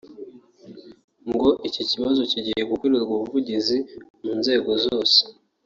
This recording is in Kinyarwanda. ngo iki kibazo kigiye gukorerwa ubuvugizi mu nzego zose